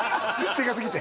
でかすぎて？